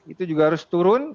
itu juga harus turun